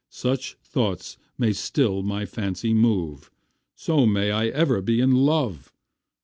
Such thoughts may still my fancy move, So may I ever be in love.